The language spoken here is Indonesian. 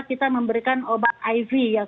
kita memberikan obat iv